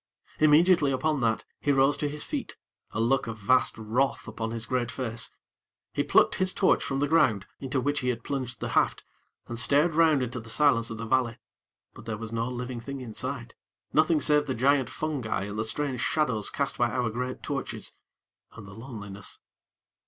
Immediately upon that, he rose to his feet, a look of vast wrath upon his great face. He plucked his torch from the ground, into which he had plunged the haft, and stared round into the silence of the valley; but there was no living thing in sight, nothing save the giant fungi and the strange shadows cast by our great torches, and the loneliness.